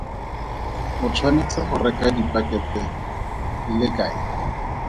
O tshwanetse go reka dipakete di le kae?